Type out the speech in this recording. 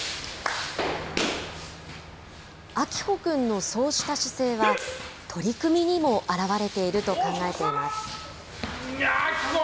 明峰君のそうした姿勢は、取組にも表れていると考えています。